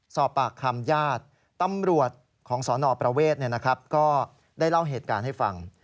สรประเวทย์ก็ได้เล่าเหตุการณ์ให้ฟัง